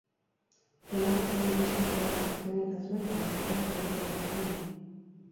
Piano-jotzaile gisa izugarrizko teknika zuen, eta bat-batean jotzeko erraztasun handia.